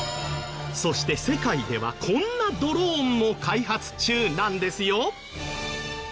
そして世界ではこんなドローンも開発中なんですよ！